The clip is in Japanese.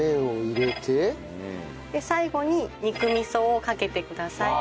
最後に肉味噌をかけてください。